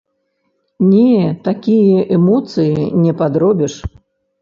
Не, такія эмоцыі не падробіш.